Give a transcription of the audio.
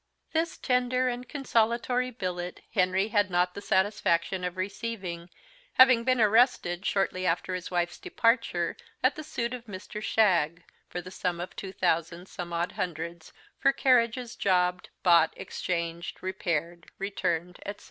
This tender and consolatory billet Henry had not the satisfaction of receiving, having been arrested, shortly after his wife's departure, at the suit of Mr. Shagg, for the sum of two thousand some odd hundreds, for carriages jobbed, bought, exchanged, repaired, returned, etc.